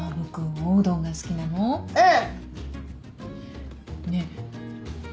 うん。